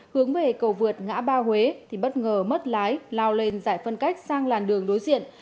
hướng về cầu vượt ngã ba huế thì bất ngờ mất lái lao lên giải phân cách sang làn đường đối diện